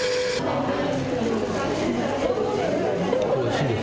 おいしいです。